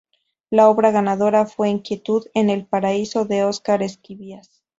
La obra ganadora fue Inquietud en el Paraíso de Óscar Esquivias.